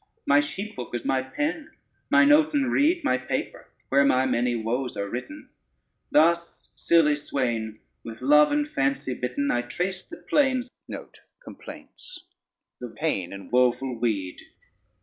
My sheephook is my pen, mine oaten reed My paper, where my many woes are written. Thus silly swain, with love and fancy bitten, I trace the plains of pain in woeful weed.